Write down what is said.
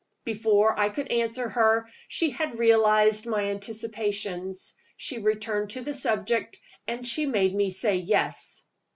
Before I could answer her she had realized my anticipations. She returned to the subject; and she made me say Yes.